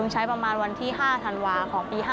ก็ใช้ประมาณปี๕๕ธันวาของปี๕๘นะ